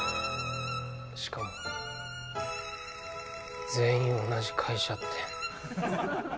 しかも全員同じ会社って。